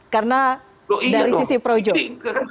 karena dari sisi pro jokowi